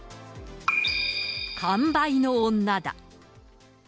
完売の女だ。